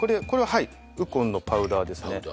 はいウコンのパウダーですね